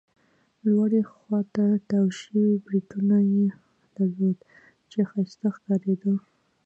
لوړې خوا ته تاو شوي بریتونه يې درلودل، چې ښایسته ښکارېده.